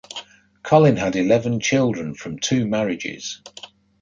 Colin had eleven children from two marriages.